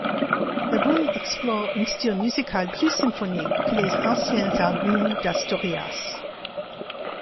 L'album explore un style musical plus symphonique que les anciens albums d'Asturias.